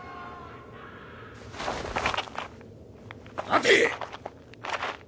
待て！